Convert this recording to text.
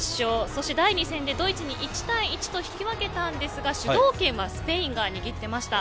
そして第２戦でドイツに１対１と引き分けたんですが主導権はスペインが握っていました。